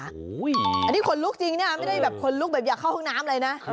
โอ้ยอันนี้คนลุกจริงไม่ได้คนลุกอย่างจะเข้าแพร่ห้องน้ำไงนะ